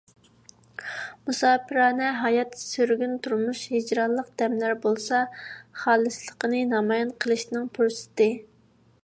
مۇساپىرانە ھايات، سۈرگۈن تۇرمۇش، ھىجرانلىق دەملەر بولسا، خالىسلىقنى نامايان قىلىشنىڭ پۇرسىتى.